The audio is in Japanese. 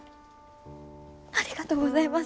ありがとうございます。